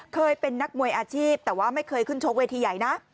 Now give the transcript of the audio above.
เคยเป็นนักมวยอาชีพแต่ว่าไม่เคยขึ้นชกเวทีใหญ่นะ